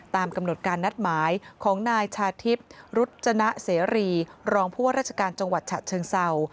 ตามกำหนดการนัดหมายของนายชาทิพย์รุจนะเสรีรองผู้ว่าราชการจังหวัดฉะเชิงเศร้า